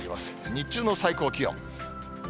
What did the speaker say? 日中の最高気温。